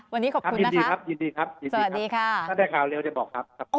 วันนี้ขอบคุณนะคะสวัสดีค่ะถ้าได้ข่าวเร็วอย่าบอกครับสวัสดีครับสวัสดีครับ